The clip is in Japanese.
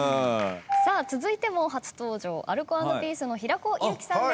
続いても初登場アルコ＆ピースの平子祐希さんです。